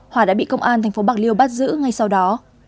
hòa đã bị công an thành phố bạc liêu bắt giữ ngay sau đó